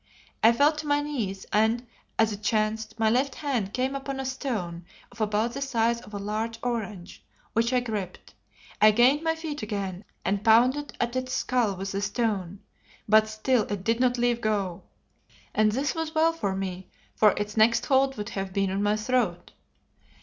I fell to my knees and, as it chanced, my left hand came upon a stone of about the size of a large orange, which I gripped. I gained my feet again and pounded at its skull with the stone, but still it did not leave go, and this was well for me, for its next hold would have been on my throat.